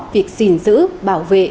việc gìn giữ bảo vệ